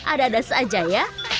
ada ada saja ya